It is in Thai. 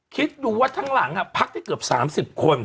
คิดดูว่าทั้งหลังพักได้เกือบ๓๐คน